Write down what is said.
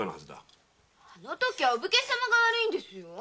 あの時はお武家様が悪いんですよ。